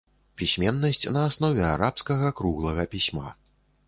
Пісьменнасць на аснове арабскага круглага пісьма.